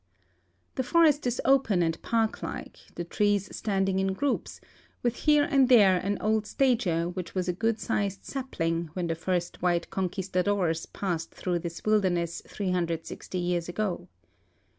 The forest is open and parklike, the trees standing in groups, with here and there an old stager which was a good sized sap ling when the first white conquistadors passed through this wilderness 360 years ago.